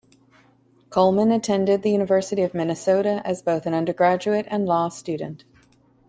Coleman attended the University of Minnesota as both an undergraduate and law student.